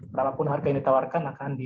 berapapun harga yang ditawarkan akan di